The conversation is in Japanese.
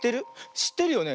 しってるよね。